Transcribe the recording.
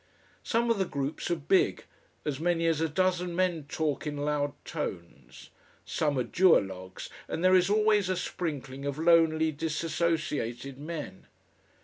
Some of the groups are big, as many as a dozen men talk in loud tones; some are duologues, and there is always a sprinkling of lonely, dissociated men.